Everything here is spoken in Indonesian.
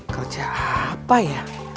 kerja apa ya